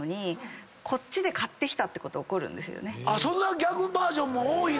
そんな逆バージョンも多いの？